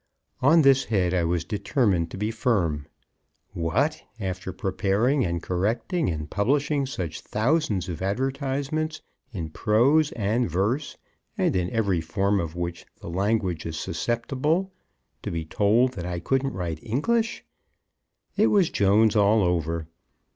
On this head I was determined to be firm. What! after preparing, and correcting, and publishing such thousands of advertisements in prose and verse and in every form of which the language is susceptible, to be told that I couldn't write English! It was Jones all over.